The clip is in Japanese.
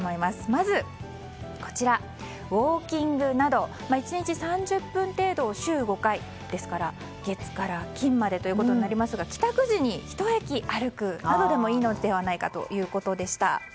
まず、ウォーキングなど１日３０分程度を週５回ですから月から金までということになりますが帰宅時にひと駅歩くなどでもいいのではないかということです。